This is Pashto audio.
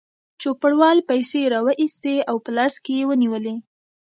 چوپړوال پیسې راوایستې او په لاس کې یې ونیولې.